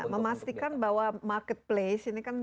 memastikan bahwa marketplace ini kan